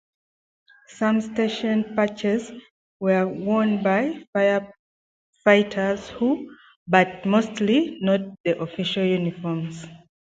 Some station patches are worn by fire fighters, but mostly not on official uniforms.